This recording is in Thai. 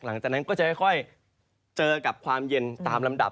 หลังจากนั้นก็จะค่อยเจอกับความเย็นตามลำดับ